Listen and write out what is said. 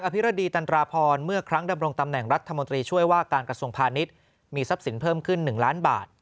พิรดีตันตราพรเมื่อครั้งดำรงตำแหน่งรัฐมนตรีช่วยว่าการกระทรวงพาณิชย์มีทรัพย์สินเพิ่มขึ้น๑ล้านบาท